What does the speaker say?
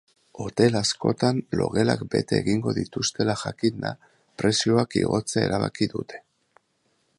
Hotel askotan logelak bete egingo dituztela jakinda, prezioak igotzea erabaki dute.